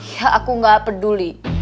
ya aku nggak peduli